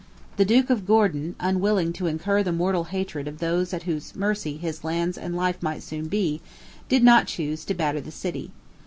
The Duke of Gordon, unwilling to incur the mortal hatred of those at whose mercy his lands and life might soon be, did not choose to batter the city.